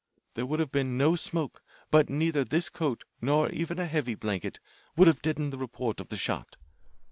There would have been no smoke. But neither this coat nor even a heavy blanket would have deadened the report of the shot.